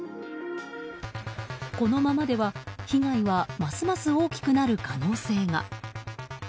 このままでは被害はますます大きくなる可能性が。